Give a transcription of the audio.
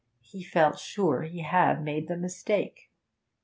He felt sure he had made the mistake.